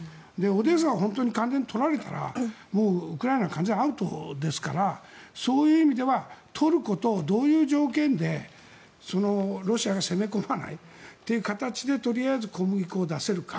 オデーサを完全に取られたらもうウクライナは完全にアウトですからそういう意味ではトルコとどういう条件でロシアが攻め込まないという形でとりあえず小麦を出せるか。